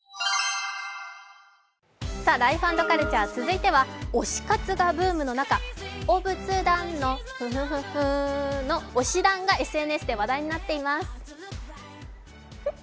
「ライフ＆カルチャー」続いては推し活がブームの中、お仏壇のフフフフで有名な推し壇がＳＮＳで話題になっています。